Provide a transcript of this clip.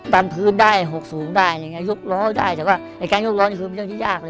ตามพื้นได้หกสูงได้ยุคล้อได้แต่ก็ในการยุคล้อนี่คือเป็นเรื่องที่ยากเลย